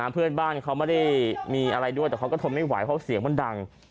เพื่อนบ้านเขาไม่ได้มีอะไรด้วยแต่เขาก็ทนไม่ไหวเพราะเสียงมันดัง